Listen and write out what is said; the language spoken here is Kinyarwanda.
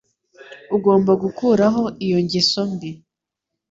Ugomba gukuraho iyo ngeso mbi.